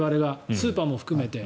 スーパーも含めて。